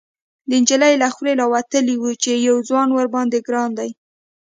، د نجلۍ له خولې راوتلي و چې يو ځوان ورباندې ګران دی.